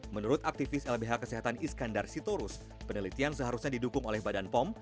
menurut aktivis lbh kesehatan iskandar sitorus penelitian seharusnya didukung oleh badan pom